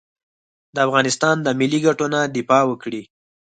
د افغانستان د ملي ګټو نه دفاع وکړي.